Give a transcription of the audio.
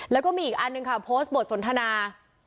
แล้วก็มีอีกอันหนึ่งค่ะโพสต์บทสนทนา